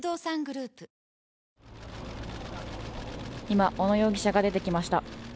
今、小野容疑者が出てきました。